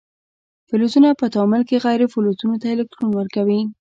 فلزونه په تعامل کې غیر فلزونو ته الکترون ورکوي.